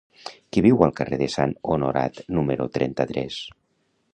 Qui viu al carrer de Sant Honorat número trenta-tres?